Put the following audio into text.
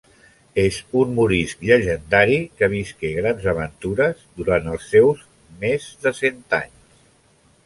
És un morisc llegendari que visqué grans aventures durant els seus més de cent anys.